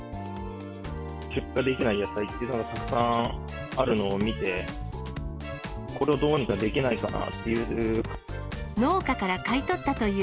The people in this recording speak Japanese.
出荷できない野菜がたくさんあるのを見て、これをどうにかできないかなっていう。